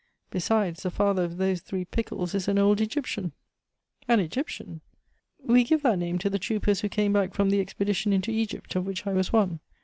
Besides, the father of those three pickles is an old Egyptian " "An Egyptian!" "We give that name to the troopers who came back from the expedition into Egypt, of which I was one.